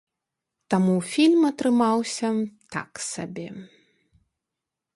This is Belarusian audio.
Таму фільм атрымаўся так сабе.